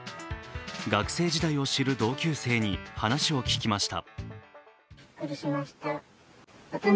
学生時代を知る同級生に話を聞きました。